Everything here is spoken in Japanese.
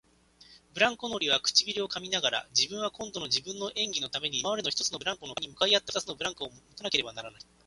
ブランコ乗りは唇をかみながら、自分は今度は自分の演技のために今までの一つのブランコのかわりに向かい合った二つのブランコをもたなければならない、